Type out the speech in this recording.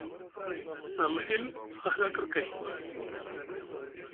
Na mihill a hila kir kay.